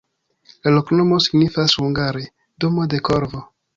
La loknomo signifas hungare: domo de korvo.